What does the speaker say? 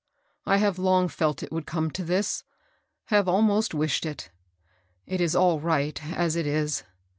I have long felt it would come to this, — have almost wished it. It is all right as it is.